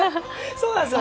そうなんですよ。